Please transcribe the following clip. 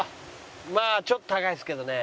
まあちょっと高いですけどね。